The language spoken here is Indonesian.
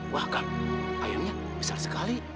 wah kan ayamnya besar sekali